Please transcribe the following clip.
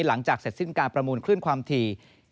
หลังจากเสร็จสิ้นการประมูลคลื่นความถี่